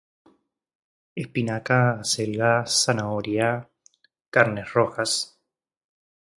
Espinaca, acelga, zanahoria, carnes rojas…